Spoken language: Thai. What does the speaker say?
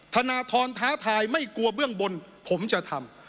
ธนทรท้าทายไม่กลัวเบื้องบนผมจะทำ